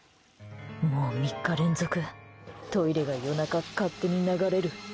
もう３日連続トイレが夜中、勝手に流れる。